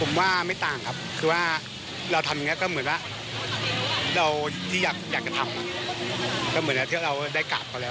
เราได้กลับก่อนแล้วอะไรอย่างนี้